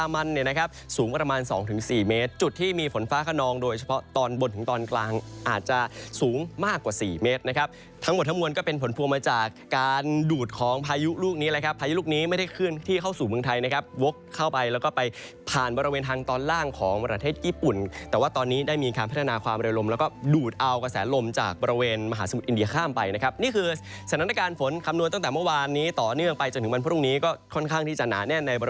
มีการดูดของพายุธรูปนี้นะครับพายุธรูปนี้ไม่ได้ขึ้นที่เข้าสู่เมืองไทยนะครับวกเข้าไปและไปพา